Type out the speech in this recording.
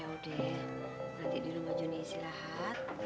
ya udah nanti di rumah joni istirahat